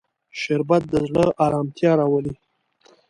شربت د زړه ارامتیا راولي